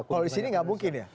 kalau di sini tidak mungkin ya